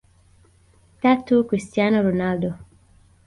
Tatu Christiano Ronaldo